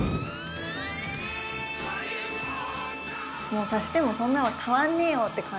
もう足してもそんな変わんねえよって感じですかね？